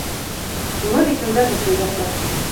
Улар икәүләп уҡый башланылар.